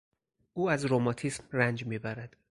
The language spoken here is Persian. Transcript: او از رماتیسم رنج میبرد.